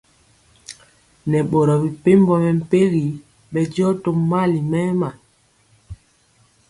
Nɛ boro mepempɔ mɛmpegi bɛndiɔ tó mali mɛma.